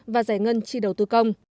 và giải ngân chi đầu tư công